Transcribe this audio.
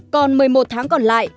còn một mươi một tháng còn lại